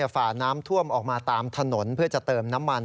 ฝ่าน้ำท่วมออกมาตามถนนเพื่อจะเติมน้ำมัน